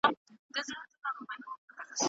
مور مې ماته د نورو سره د مرستې درس راکړ.